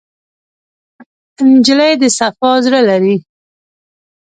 نجلۍ د صفا زړه لري.